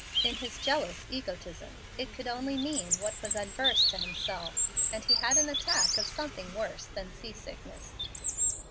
In his jealous egotism it could only mean what was adverse to himself, and he had an attack of something worse than sea sickness.